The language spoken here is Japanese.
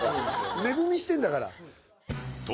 値踏みしてんだから。